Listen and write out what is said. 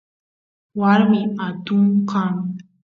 warmi atun kan